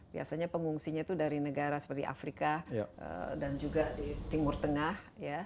biasanya pengungsinya itu dari negara seperti afrika dan juga di timur tengah